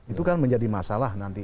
itu kan menjadi masalah nanti